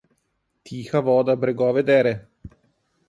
Tiha voda bregove dere.